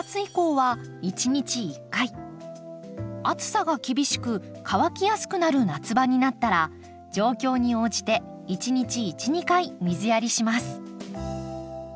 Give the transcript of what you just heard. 暑さが厳しく乾きやすくなる夏場になったら状況に応じて１日１２回水やりします。